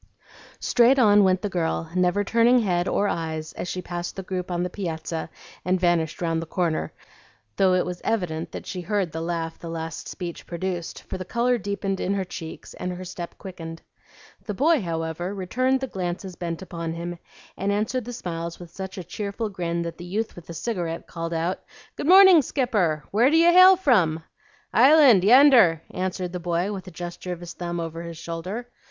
Straight on went the girl, never turning head or eyes as she passed the group on the piazza and vanished round the corner, though it was evident that she heard the laugh the last speech produced, for the color deepened in her cheeks and her step quickened. The boy, however, returned the glances bent upon him, and answered the smiles with such a cheerful grin that the youth with the cigarette called out, "Good morning, Skipper! Where do you hail from?" "Island, yender," answered the boy, with a gesture of his thumb over his shoulder.